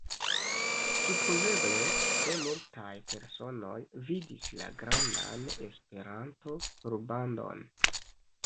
Supozeble tre multaj personoj vidis la grandan Esperanto-rubandon.